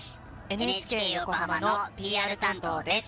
ＮＨＫ横浜のＰＲ担当です。